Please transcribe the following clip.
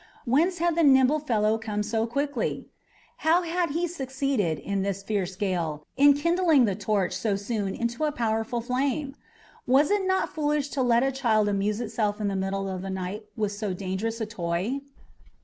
Whence had the nimble fellow come so quickly? How had he succeeded, in this fierce gale, in kindling the torch so soon into a powerful flame? Was it not foolish to let a child amuse itself in the middle of the night with so dangerous a toy?